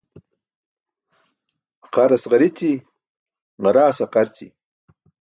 Aqaras ġarici, ġaraas aqarci.